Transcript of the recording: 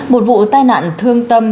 một vụ tai nạn thương tâm